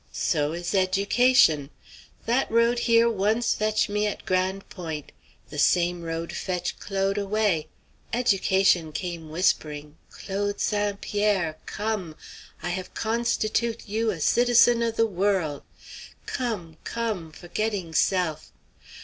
So is education! That road here once fetch me at Grande Pointe; the same road fetch Claude away. Education came whispering, 'Claude St. Pierre, come! I have constitute' you citizen of the worl'. Come, come, forgetting self!'